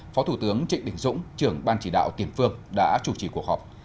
phó thủ tướng trịnh đình dũng trưởng ban chỉ đạo tiền phương đã chủ trì cuộc họp